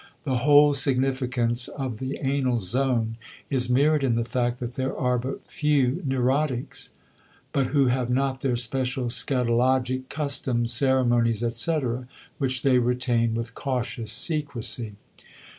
The whole significance of the anal zone is mirrored in the fact that there are but few neurotics who have not their special scatologic customs, ceremonies, etc., which they retain with cautious secrecy.